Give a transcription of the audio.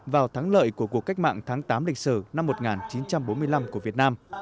vào thắng lợi của cuộc cách mạng tháng tám lịch sử năm một nghìn chín trăm bốn mươi năm của việt nam